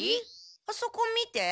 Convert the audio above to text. あそこ見て。